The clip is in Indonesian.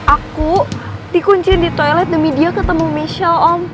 aku dikunciin di toilet demi dia ketemu michelle om